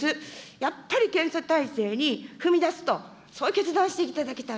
やっぱり検査体制に踏み出すと、それ決断していただきたい。